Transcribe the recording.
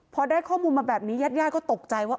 พอได้ข้อมูลมาแบบนี้ญาติญาติก็ตกใจว่า